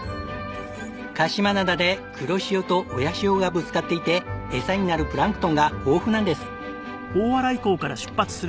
鹿島灘で黒潮と親潮がぶつかっていてエサになるプランクトンが豊富なんです。